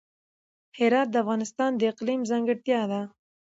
هرات د افغانستان د اقلیم ځانګړتیا ده.